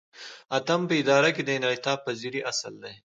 اتم په اداره کې د انعطاف پذیری اصل دی.